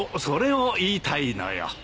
それを言いたいのよ。